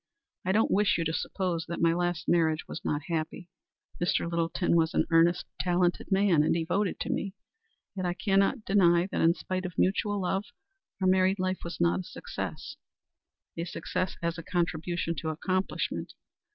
I don't wish you to suppose that my last marriage was not happy. Mr. Littleton was an earnest, talented man, and devoted to me. Yet I cannot deny that in spite of mutual love our married life was not a success a success as a contribution to accomplishment.